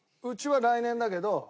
うちは来年だけど。